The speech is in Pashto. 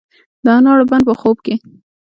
د انارو بڼ په خوب کې